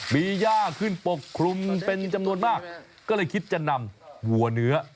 มีย่าขึ้นปกคลุมเป็นจำนวนมากก็เลยคิดจะนำวัวเนื้อ